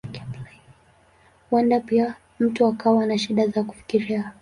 Huenda pia mtu akawa na shida za kufikiria.